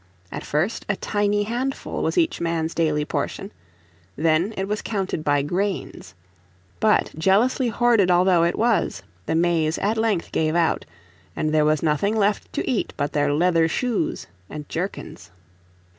At first a tiny handful was each man's daily portion; then it was counted by grains. But jealously hoarded although it was the maize at length gave out, and there was nothing left to eat but their leather shoes and jerkins.